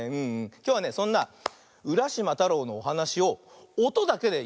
きょうはねそんな「うらしまたろう」のおはなしをおとだけでやってみるよ。